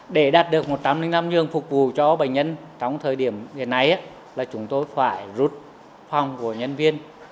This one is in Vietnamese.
để đạt được một trăm linh năm giường phục vụ cho bệnh nhân trong thời điểm hiện nay là chúng tôi phải rút phòng của nhân viên